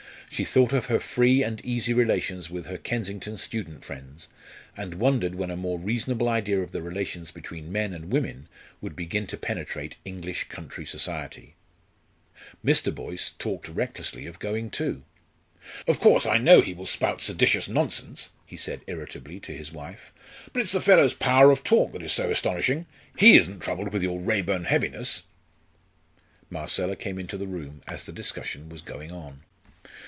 She thought of her free and easy relations with her Kensington student friends, and wondered when a more reasonable idea of the relations between men and women would begin to penetrate English country society. Mr. Boyce talked recklessly of going too. "Of course, I know he will spout seditious nonsense," he said irritably to his wife, "but it's the fellow's power of talk that is so astonishing. He isn't troubled with your Raeburn heaviness." Marcella came into the room as the discussion was going on.